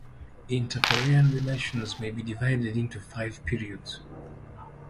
Inter-Korean relations may be divided into five periods.